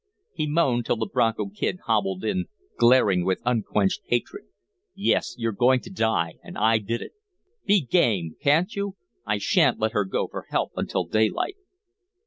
He moaned till the Bronco Kid hobbled in, glaring with unquenched hatred. "Yes, you're going to die and I did it. Be game, can't you? I sha'n't let her go for help until daylight."